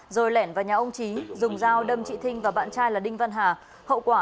rồi lẻn vào nhà ông trí dùng dao đâm chị thinh và bạn trai là đinh văn hà